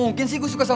nanti gue jalan